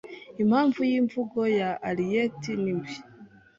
Impamvu yʼimvugo ya Ariyeti ni mbi,